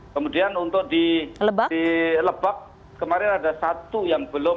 kemudian untuk di lebak kemarin ada satu yang belum